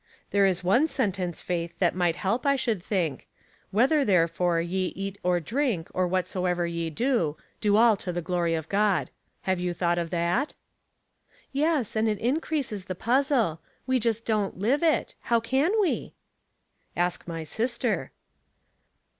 There is one sentence. Faith, that might help, I should think :* Whether, therefore, ye eat or drink, or whatsoever ye do, do all to the glory of God.' Have you thought of that?" "Yes, and it increases ihe puzzle. We just don't live it. How can we ?"" Ask my sister."